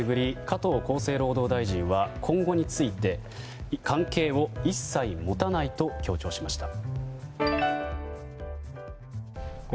加藤厚生労働大臣は今後について関係を一切持たないと強調しました。